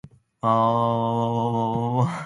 新宿は豪雨